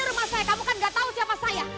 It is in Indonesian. ini rumah saya kamu kan gak tau siapa saya